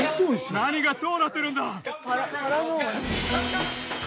何がどうなってるんだ！？